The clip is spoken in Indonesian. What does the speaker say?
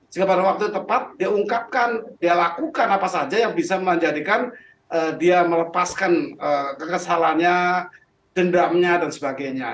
jika pada waktu yang tepat dia ungkapkan dia lakukan apa saja yang bisa menjadikan dia melepaskan kekesalannya dendamnya dan sebagainya